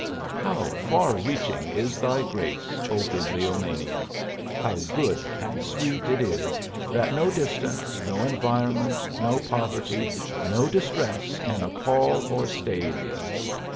How far reaching is thy grace, O bibliomania! How good and sweet it is that no distance, no environment, no poverty, no distress can appall or stay thee.